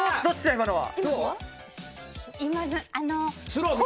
今のは。